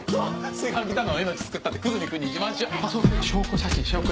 炊飯器旦那の命救ったって久住君に自慢しよあっそうだ